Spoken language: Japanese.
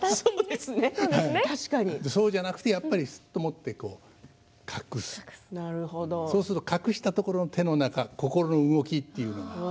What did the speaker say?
そうじゃなくてやっぱりすっと持って隠すそうすると隠したところの手の中心の動きというのが。